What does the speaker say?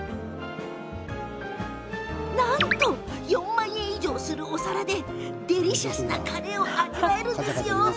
なんと４万円以上するお皿でデリシャスなカレーを味わえるんですね。